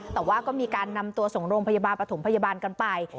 แต่ว่าก็มีการนำตัวส่งโรงพยาบาลปฐมพยาบาลกันไป